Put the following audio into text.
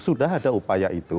sudah ada upaya itu